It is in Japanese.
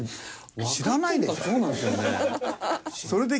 知らないでしょ。